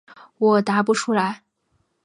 我答不出来。